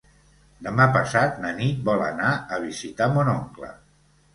Demà passat na Nit vol anar a visitar mon oncle.